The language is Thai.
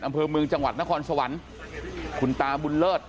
อำเภอเมืองจังหวัดนครสวรรค์คุณตาบุญเลิศ